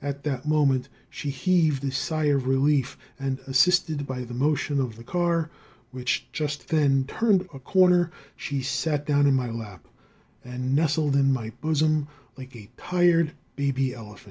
At that moment she heaved a sigh of relief, and, assisted by the motion of the car, which just then turned a corner, she sat down in my lap and nestled in my bosom like a tired baby elephant.